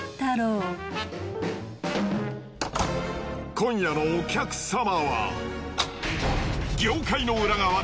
今夜のお客様は。